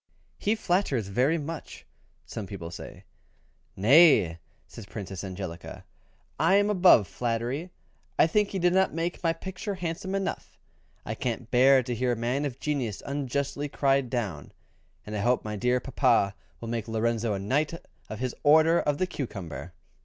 "He flatters very much," some people said. "Nay!" says Princess Angelica, "I am above flattery, and I think he did not make my picture handsome enough. I can't bear to hear a man of genius unjustly cried down, and I hope my dear papa will make Lorenzo a knight of his Order of the Cucumber."